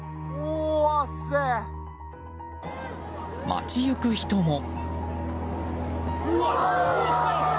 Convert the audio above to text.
街行く人も。